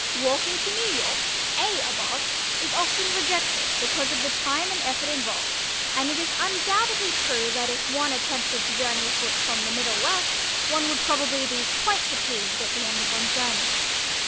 Walking to New York ("a" above) is often rejected because of the time and effort involved and it is undoubtedly true that if one attempted to journey afoot from the middle west one would probably be quite fatigued at the end of one's journey.